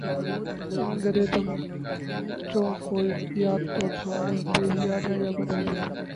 ان گدے چمچوں کو یا تو دھو دیجئے یا بدل دیجئے